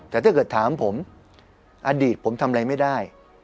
แต่ถ้าเกิดถามผมอดีตผมทำอะไรไม่ได้